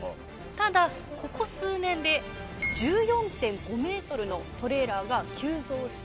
ただここ数年で１４．５ｍのトレーラーが急増した。